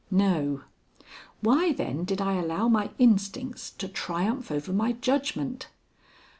No. Why, then, did I allow my instincts to triumph over my judgment?